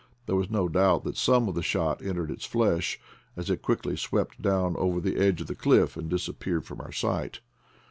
There is no doubt that some, of the shot entered its flesh, as it quickly swept down over the edge of the cliff and disap peared from our sight.